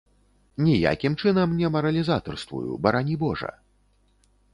Ніякім чынам не маралізатарствую, барані божа.